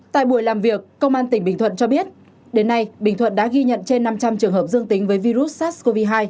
tại buổi làm việc công an tỉnh bình thuận cho biết đến nay bình thuận đã ghi nhận trên năm trăm linh trường hợp dương tính với virus sars cov hai